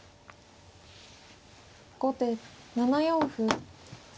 後手７四歩。